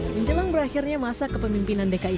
menjelang berakhirnya masa kepemimpinan dki